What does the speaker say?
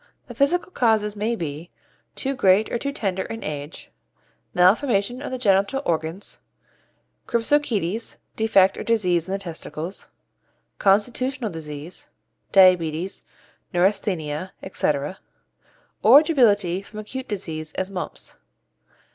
The physical causes may be too great or too tender an age; malformation of the genital organs; crypsorchides, defect or disease in the testicles; constitutional disease (diabetes, neurasthenia, etc.); or debility from acute disease, as mumps.